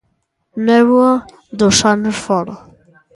Néboa dos anos fóra.